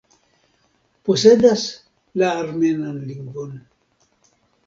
Posedas la armenan lingvon.